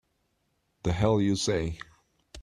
The hell you say!